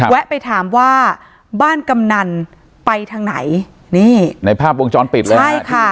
แวะไปถามว่าบ้านกำนันไปทางไหนนี่ในภาพวงจรปิดเลยใช่ค่ะ